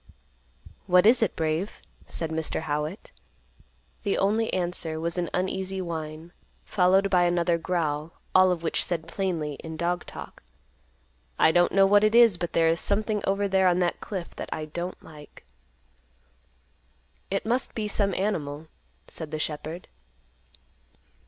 "What is it, Brave?" said Mr. Howitt. The only answer was an uneasy whine, followed by another growl, all of which said plainly, in dog talk, "I don't know what it is, but there is something over there on that cliff that I don't like." "It must be some animal," said the shepherd.